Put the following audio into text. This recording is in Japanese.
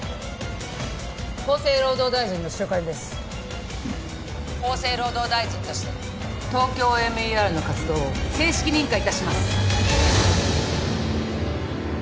厚生労働大臣の白金です厚生労働大臣としてＴＯＫＹＯＭＥＲの活動を正式認可いたします